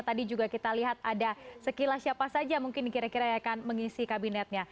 tadi juga kita lihat ada sekilas siapa saja mungkin kira kira yang akan mengisi kabinetnya